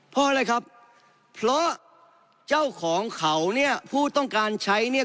เพราะอะไรครับเพราะเจ้าของเขาเนี่ยผู้ต้องการใช้เนี่ย